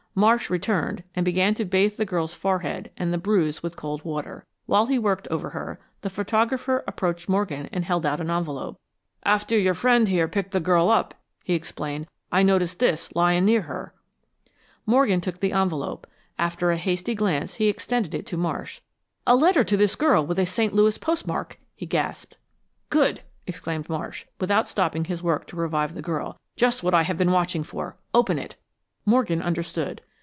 Marsh returned, and began to bathe the girl's forehead and the bruise with the cold water. While he worked over her, the photographer approached Morgan and held out an envelope. "After your friend here picked the girl up," he explained, "I noticed this lying near her." Morgan took the envelope. After a hasty glance he extended it to Marsh. "A letter to this girl with a St. Louis postmark!" he gasped. "Good!" exclaimed Marsh, without stopping his work to revive the girl. "Just what I have been watching for. Open it." Morgan understood.